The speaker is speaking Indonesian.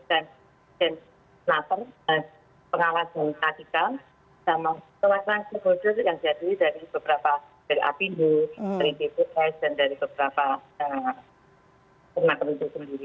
sama kelas kelas yang terjadi dari beberapa dari apnu dari bps dan dari beberapa perusahaan kebutuhan sendiri